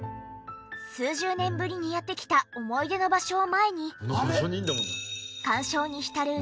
数十年ぶりにやって来た思い出の場所を前に感傷に浸る